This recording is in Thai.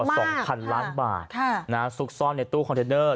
มูลค่ากว่า๒๐๐๐ล้านบาทซุกซ่อนในตู้คอนเทนเดอร์